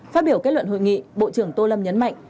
phát biểu kết luận hội nghị bộ trưởng tô lâm nhấn mạnh